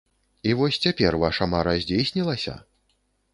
І вось цяпер ваша мара здзейснілася?